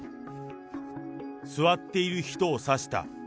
座っている人を刺した。